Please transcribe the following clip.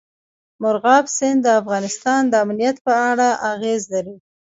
مورغاب سیند د افغانستان د امنیت په اړه هم اغېز لري.